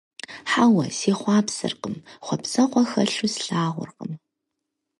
Хьэуэ, сехъуапсэркъым, хъуэпсэгъуэ хэлъу слъагъуркъым.